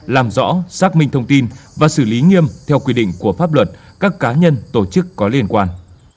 làm rõ xác minh thông tin và xử lý nghiêm theo quy định của pháp luật các cá nhân tổ chức có liên quan